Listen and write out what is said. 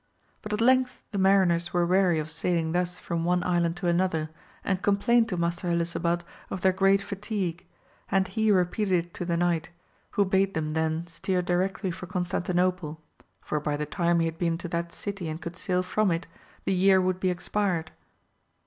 But at length the mariners were weary of sailing thus from' one island to another and complained to Master Helisabad of their great fatigue, and he repeated it to the knight, wha bade them then steer directly for Constantinople, for by the time he had been to that city and could sail from it, the year would be expired.